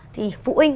thì phụ huynh